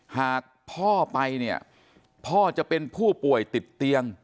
หากพ่อไปเนี่ยพ่อจะเป็นผู้ป่วยติดเตียง